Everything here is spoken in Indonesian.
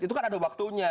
itu kan ada waktunya